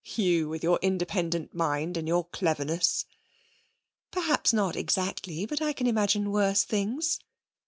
'You with your independent mind and your cleverness.' 'Perhaps not exactly, but I can imagine worse things.'